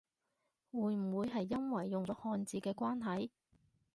會唔會係因為用咗漢字嘅關係？